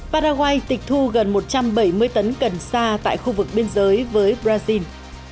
paraguay tịch thu gần một trăm bảy mươi tấn cần sa tại khu vực biên giới với brazil